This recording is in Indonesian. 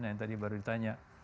yang tadi baru ditanya